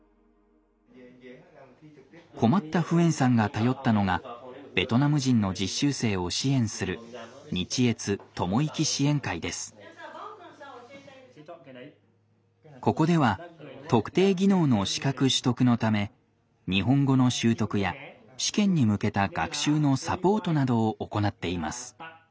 困ったフエンさんが頼ったのがベトナム人の実習生を支援するここでは特定技能の資格取得のため日本語の習得や試験に向けた学習のサポートなどを行っています。